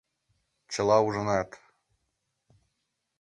Чыла ужынат!..